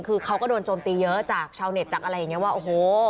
คือเขาก็โดนโจมตีเยอะจากชาวเน็ตจากอะไรอย่างนี้ว่าโอ้โห